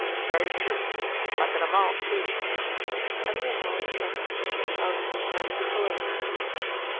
'Very true! Like an Amal too!' And the Amal sprang up and shouted to his men to follow him.